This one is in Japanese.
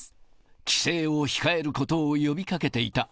帰省を控えることを呼びかけていた。